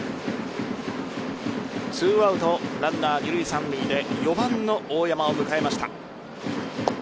２アウトランナー二塁・三塁で４番の大山を迎えました。